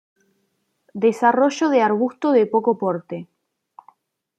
Desarrollo de arbusto de poco porte.